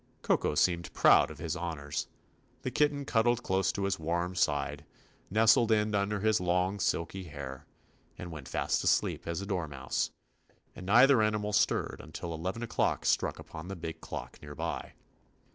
Koko seemed proud of his honors. The kitten cuddled close to his warm side, nestled in under his long silky hair, and went fast asleep as a dor mouse, and neither animal stirred until eleven o'clock struck upon the big clock near by.